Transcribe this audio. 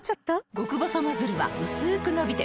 極細ノズルはうすく伸びて